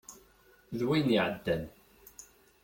D wayen i iɛeddan.